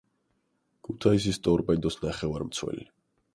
ქუთაისის „ტორპედოს“ ნახევარმცველი.